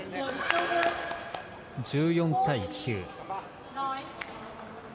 １４対９。